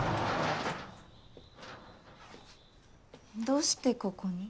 どうしてここに？